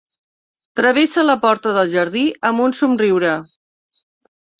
Travessa la porta del jardí amb un somriure.